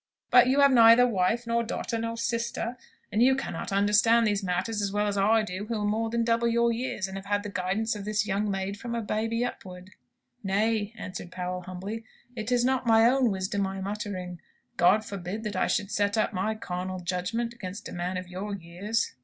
"But you have neither wife, nor daughter, nor sister, and you cannot understand these matters as well as I do, who am more than double your years, and have had the guidance of this young maid from a baby upward." "Nay," answered Powell, humbly; "it is not my own wisdom I am uttering! God forbid that I should set up my carnal judgment against a man of your years."